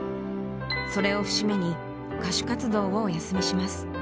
それを節目に歌手活動をお休みします。